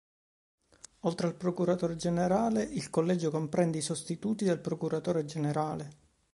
Oltre al procuratore generale, il collegio comprende i sostituti del procuratore generale.